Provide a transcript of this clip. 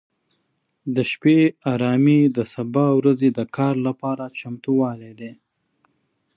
د شپې ارامي د سبا ورځې د کار لپاره چمتووالی دی.